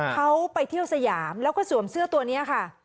เขาไปเที่ยวสยามแล้วก็สวมเสื้อตัวนี้ค่ะ